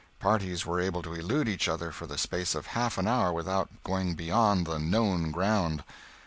Parties were able to elude each other for the space of half an hour without going beyond the "known" ground.